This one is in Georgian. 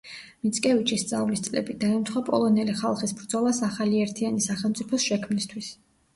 მიცკევიჩის სწავლის წლები დაემთხვა პოლონელი ხალხის ბრძოლას ახალი ერთიანი სახელმწიფოს შექმნისთვის.